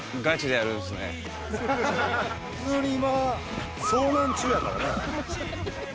普通に今遭難中やからね。